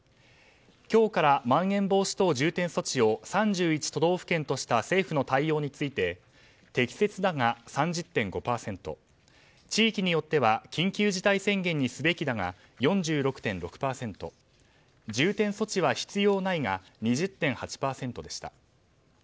今日からまん延防止等重点措置を３１都道府県とした政府の対応について適切だが３０．５％地域によっては緊急事態宣言にすべきだが４６．６％重点措置は必要がないが２０．８％でした。